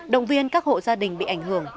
động viên các hộ gia đình bị ảnh hưởng